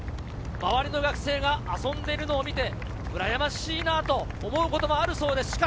周りの学生が遊んでいるのを見て、うらやましいなと思うこともあるそうです。